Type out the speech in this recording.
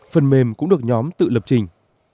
phần mềm cũng được nhóm tự lập trình